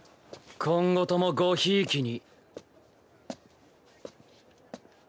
今後ともごひいきに。